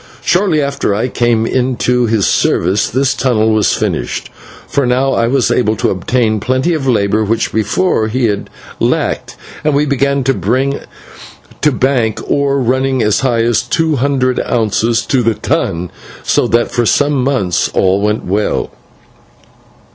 Shortly after I came into his service this tunnel was finished, for now I was able to obtain plenty of labour, which before he had lacked, and we began to bring to bank ore running as high as two hundred ounces to the ton, so that for some months all went well.